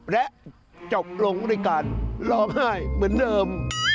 และจบลงด้วยการร้องไห้เหมือนเดิม